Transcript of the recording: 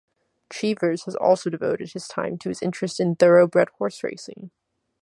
Cheevers has also devoted his time to his interests in thoroughbred horse racing.